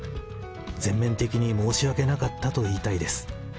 全面的に申し訳なかったと言いたいです。